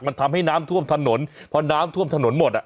มันทำให้น้ำท่วมถนนพอน้ำท่วมถนนหมดอ่ะ